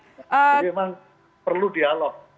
jadi memang perlu dialog